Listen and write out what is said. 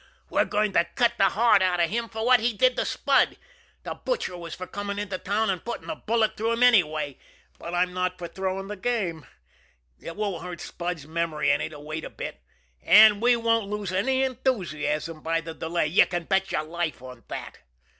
"We're going to cut the heart out of him for what he did to Spud. The Butcher was for coming into town and putting a bullet through him anyway, but I'm not for throwing the game. It won't hurt Spud's memory any to wait a bit, and we won't lose any enthusiasm by the delay, you can bet your life on that!